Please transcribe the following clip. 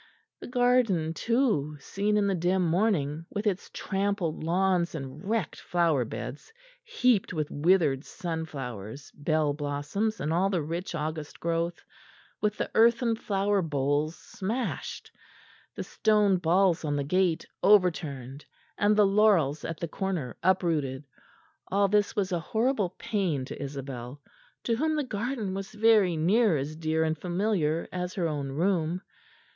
The garden too, seen in the dim morning, with its trampled lawns and wrecked flower beds heaped with withered sunflowers, bell blossoms and all the rich August growth, with the earthen flower bowls smashed, the stone balls on the gate overturned, and the laurels at the corner uprooted all this was a horrible pain to Isabel, to whom the garden was very near as dear and familiar as her own room.